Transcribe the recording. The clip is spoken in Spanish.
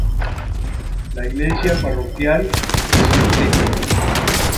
La iglesia parroquial St.